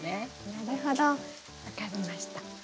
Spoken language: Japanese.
なるほど分かりました。